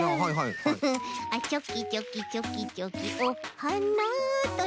フフあっチョキチョキチョキチョキおはなっとね。